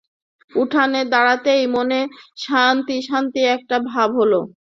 উঠোনে দাঁড়াতেই মনে শান্তি-শান্তি একটা ভাব হল।